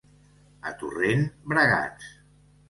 A Torrent, bragats.